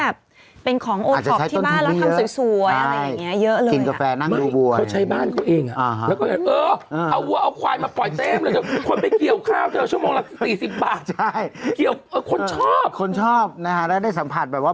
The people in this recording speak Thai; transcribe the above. อาจจะใช้ต้นทูปเยอะ